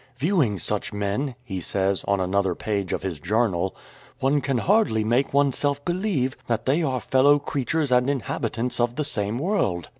"Viewing such men," he says on another page of his Journal^ " one can hardly make one self believe that they are fellow creatures and inhabitants of the same world."